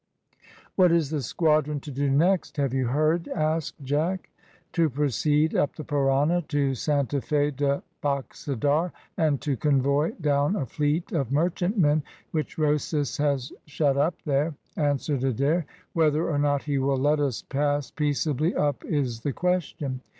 "What is the squadron to do next? have you heard?" asked Jack. "To proceed up the Parana to Santa Fe de Baxadar, and to convoy down a fleet of merchantmen which Rosas has shut up there," answered Adair. "Whether or not he will let us pass peaceably up is the question.